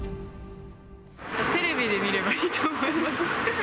テレビで見ればいいと思います。